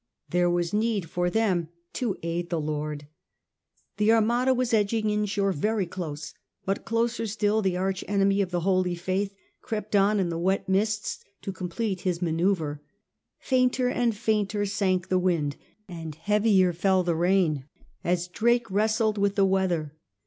There was need for them to aid the Lord. The Armada was edging inshore very close; but closer still the arch enemy of the Holy Faith crept on in the wet mists to complete his manoeuvre. Fainter and fainter sank the wind and heavier fell the rain, as Drake wrestled with the weather.